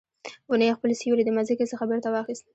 ونې خپل سیوری د مځکې څخه بیرته واخیست